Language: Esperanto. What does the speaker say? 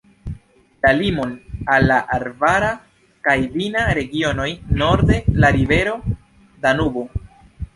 La limon al la arbara kaj vina regionoj norde la rivero Danubo.